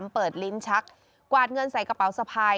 เปิดลิ้นชักกวาดเงินใส่กระเป๋าสะพาย